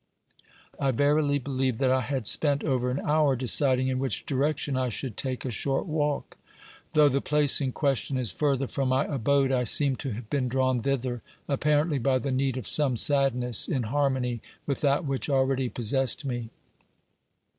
I verily believe that I had spent over an hour deciding in which direction I should take a short walk. Though the place in question is further from my abode, I seem to have been drawn thither, apparently by the need of some sadness in harmony with that which already possessed me.